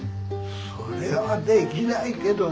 それはできないけど。